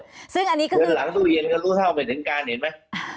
เดือนหลังสู่เย็นก็รู้เท่าเหมือนถึงการเห็นไหม